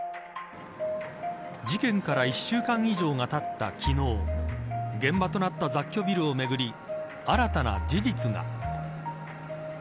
事件から１週間以上がたった昨日現場となった雑居ビルをめぐり新たな事実が。